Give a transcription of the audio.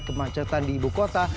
kemacetan di ibu kota